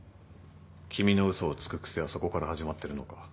君の嘘をつく癖はそこから始まってるのか。